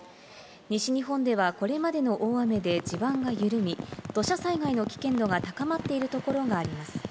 西日本では、これまでの大雨で地盤が緩み、土砂災害の危険度が高まっているところがあります。